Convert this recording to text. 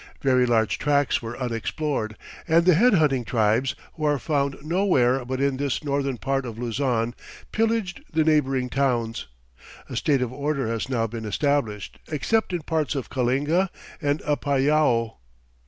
Very large tracts were unexplored, and the head hunting tribes, who are found nowhere but in this northern part of Luzon, pillaged the neighbouring towns. A state of order has now been established, except in parts of Kalinga and Apayao.